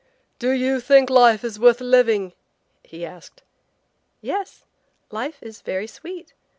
"Do you think life is worth living?" he asked. "Yes, life is very sweet.